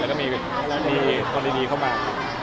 แล้วก็มีกรณีเข้ามา